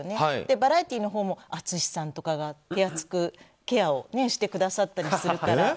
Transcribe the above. バラエティーのほうも淳さんとかが手厚くケアをしてくださったりするから。